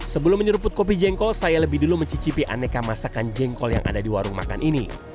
sebelum menyeruput kopi jengkol saya lebih dulu mencicipi aneka masakan jengkol yang ada di warung makan ini